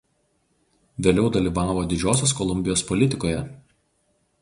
Vėliau dalyvavo Didžiosios Kolumbijos politikoje.